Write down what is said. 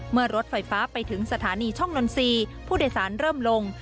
เมื่อรถไฟฟ้าไปถึงสถานีช่องนนทรีย์ผู้โดยสารเริ่มลง